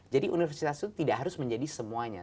jadi universitas itu tidak harus menjadi semuanya